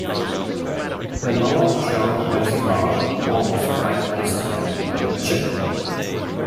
The lower jaw has a dark, almost black distal end, "chin".